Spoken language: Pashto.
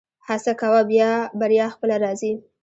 هڅه کوه بریا خپله راځي